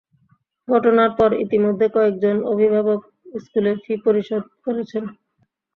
ঘটনার পর ইতিমধ্যে কয়েকজন অভিভাবক স্কুলের ফি পরিশোধ করেছেন।